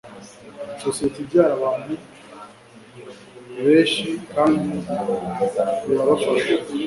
sosiyete ibyara abantu beshi kandi birabafasha